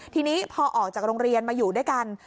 ทีนี้พอออกจากโรงเรียนมาอยู่ด้วยกัน